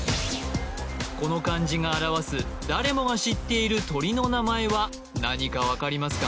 この漢字が表す誰もが知っている鳥の名前は何か分かりますか？